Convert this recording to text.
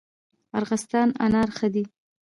ارغستان انار ښه دي؟